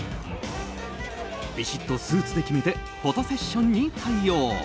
ビシッとスーツで決めてフォトセッションに対応。